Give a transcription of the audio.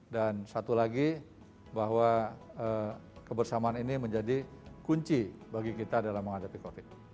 dan satu lagi bahwa kebersamaan ini menjadi kunci bagi kita dalam menghadapi covid sembilan belas